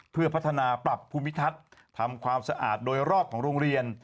เพื่อพัฒนาปรับภูมิทัศน์ทำความสะอาดโดยรอบของโรงเรียน